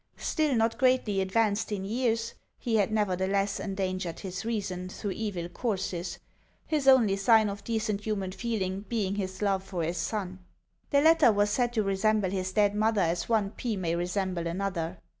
Still not greatly advanced in years, he had nevertheless endangered his reason through evil courses his only sign of decent human feeling being his love for his son. The latter was said to resemble his dead mother as one pea may resemble another.